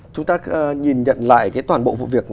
chúng ta nhìn nhận lại cái toàn bộ vụ việc